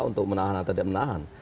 untuk menahan atau tidak menahan